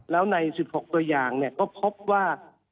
แล้วใน๑๖ตัวอย่างก็พบว่า